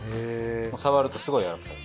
触るとすごいやわらかい。